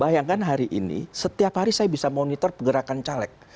bayangkan hari ini setiap hari saya bisa monitor pergerakan caleg